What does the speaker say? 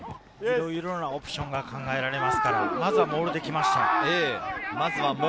いろいろなオプションが考えられますから、まずはモールで来ました。